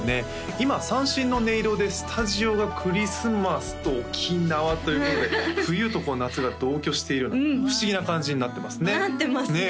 今三線の音色でスタジオがクリスマスと沖縄ということで冬と夏が同居しているような不思議な感じになってますねなってますね